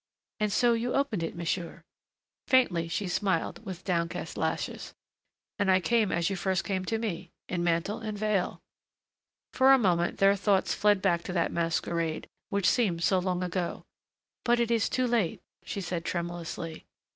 "And so you opened it, monsieur." Faintly she smiled, with downcast lashes. "And I came as you first came to me in mantle and veil." For a moment their thoughts fled back to that masquerade, which seemed so long ago. "But it is too late," she said tremulously.